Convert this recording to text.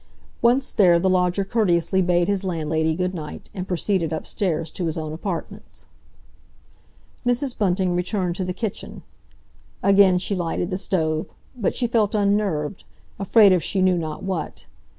Once there, the lodger courteously bade his landlady good night, and proceeded upstairs to his own apartments. Mrs. Bunting returned to the kitchen. Again she lighted the stove; but she felt unnerved, afraid of she knew not what.